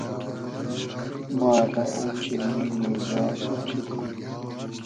ما رۂ اۉچیلنی نی زار ، اۉچیلجی کو